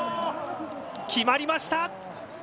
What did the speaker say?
決まりました。